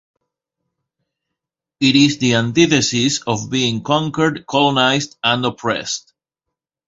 It is the antithesis of being conquered, colonized, and oppressed.